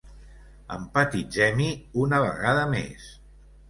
Empatitzem-hi una vegada més.